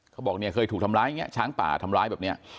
เขาบอกเนี่ยเคยถูกทำร้ายอย่างนี้ช้างป่าทำร้ายแบบนี้